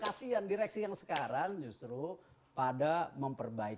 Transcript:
kasian direksi yang sekarang justru pada memperbaiki